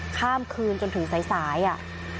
ข้ามคืนจนถึงสายอ่ะ